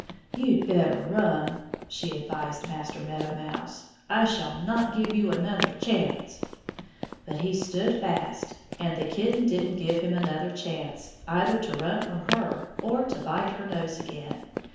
"You'd better run!" she advised Master Meadow Mouse. "I shall not give you another chance!" But he stood fast. And the kitten didn't give him another chance, either to run from her, or to bite her nose again.